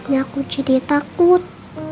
ya aku jadi takut